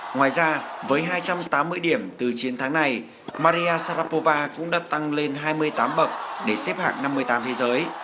ngoài ra với hai trăm tám mươi điểm từ chiến thắng này maria sarakova cũng đã tăng lên hai mươi tám bậc để xếp hạng năm mươi tám thế giới